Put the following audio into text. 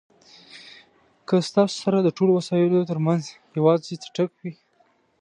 که ستاسو سره د ټولو وسایلو ترمنځ یوازې څټک وي.